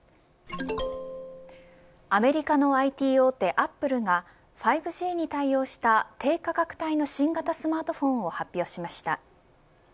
アメリカのＩＴ大手アップルが５Ｇに対応した低価格帯の新型スマートフォンを発表しました。